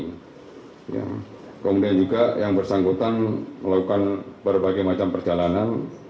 kemudian juga yang bersangkutan melakukan berbagai macam perjalanan